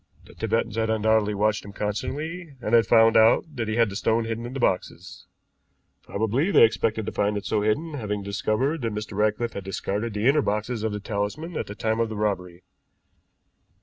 The Tibetans had undoubtedly watched him constantly, and had found out that he had the stone hidden in the boxes. Probably they expected to find it so hidden, having discovered that Mr. Ratcliffe had discarded the inner boxes of the talisman at the time of the robbery.